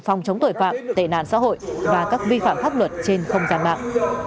phòng chống tội phạm tệ nạn xã hội và các vi phạm pháp luật trên không gian mạng